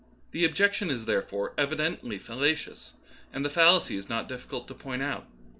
The objection is, therefore, evi dently fallacious, and the fallacy is not difficult to point out.